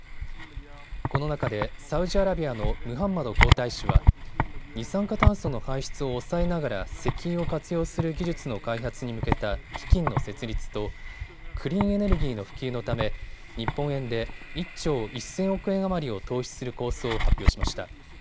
この中でサウジアラビアのムハンマド皇太子は二酸化炭素の排出を抑えながら石油を活用する技術の開発に向けた基金の設立とクリーンエネルギーの普及のため日本円で１兆１０００億円余りを投資する構想を発表しました。